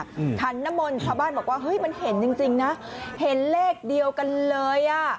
อืมขันนมลชาวบ้านบอกว่าเฮ้ยมันเห็นจริงจริงนะเห็นเลขเดียวกันเลยอ่ะ